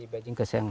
beijing ke siang